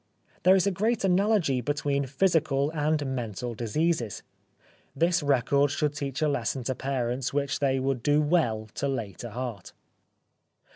There is a great analogy between physical and mental diseases. This record should teach a lesson to parents which they would do well to lay to heart.